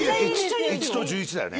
１と１１だよね。